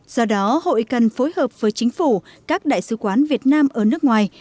do đó hội cần phối hợp với chính phủ các đại sứ quán việt nam ở nước ngoài